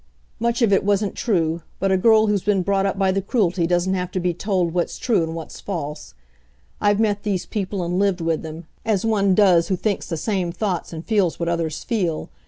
Much of it wasn't true, but a girl who's been brought up by the Cruelty doesn't have to be told what's true and what's false. I've met these people and lived with them as one does who thinks the same thoughts and feels what others feel.